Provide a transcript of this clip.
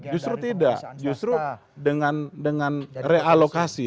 justru tidak justru dengan realokasi